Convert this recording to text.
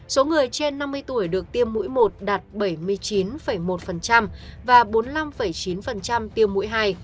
số người trên năm mươi tuổi được tiêm mũi một đạt bảy mươi chín một và bốn mươi năm chín tiêu mũi hai